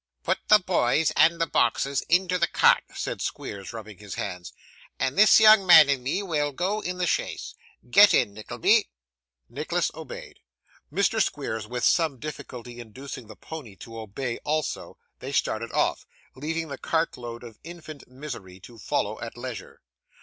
'Put the boys and the boxes into the cart,' said Squeers, rubbing his hands; 'and this young man and me will go on in the chaise. Get in, Nickleby.' Nicholas obeyed. Mr. Squeers with some difficulty inducing the pony to obey also, they started off, leaving the cart load of infant misery to follow at leisure.